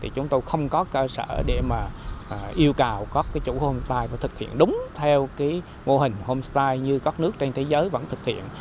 chúng tôi không có cơ sở để yêu cầu các chủ homestay phải thực hiện đúng theo mô hình homestay như các nước trên thế giới vẫn thực hiện